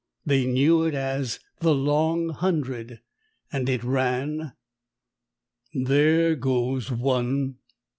They knew it as "The Long Hundred," and it ran "There goes one.